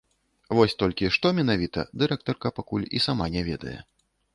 Вось толькі што менавіта, дырэктарка пакуль і сама не ведае.